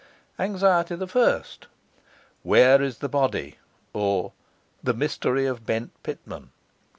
Anxiety the First: Where is the Body? or, The Mystery of Bent Pitman.